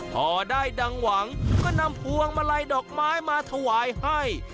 พอได้ดังหวังก็นำพวงมาลัยดอกไม้มาถวายให้